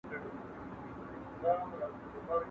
¬ د بلي وني سوري ته نيالي نه غټېږي.